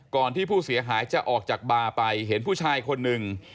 ที่ผู้เสียหายจะออกจากบาร์ไปเห็นผู้ชายคนหนึ่ง